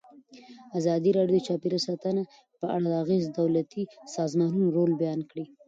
ازادي راډیو د چاپیریال ساتنه په اړه د غیر دولتي سازمانونو رول بیان کړی.